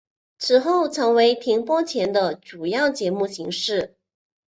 此后成为停播前的主要节目形式。